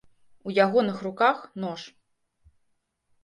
У ягоных руках нож.